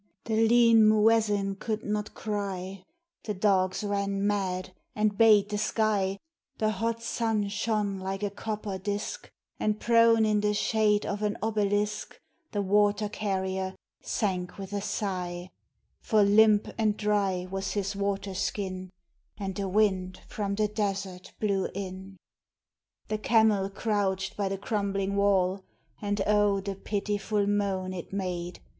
The lean muezzin could not cry; The dogs ran mad, and bayed the sky; The hot sun shone like a copper disk, And prone in the shade of an obelisk The water carrier sank with a sigh, For limp and dry was his water skin; And the wind from the desert blew in. The camel crouched by the crumbling wall, And oh the pitiful moan it made!